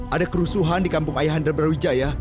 ada kerusuhan di kampung ayahanda brawijaya